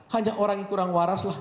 hanya orang yang kurang waraslah